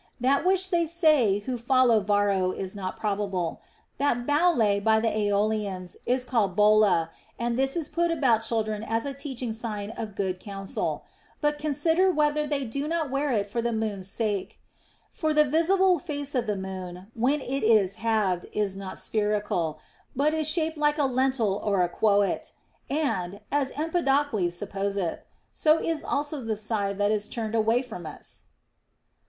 That which they say who follow Varro is not probable, that houle by the Aeolians is called holla, and this is put about children as a teaching sign of good counsel. But consider whether they do not νητ. it 17 258 THE ROMAN QUESTIONS. wear it for the moon's sake. For the visible face of the moon, when it is halved, is not spherical, but shaped like a lentil or a quoit; and (as Empedocles supposeth) so is also the side that is turned away from us.